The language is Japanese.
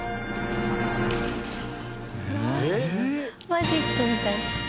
マジックみたい。